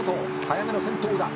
「早めの先頭だ。